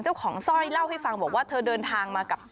สร้อยเล่าให้ฟังบอกว่าเธอเดินทางมากับ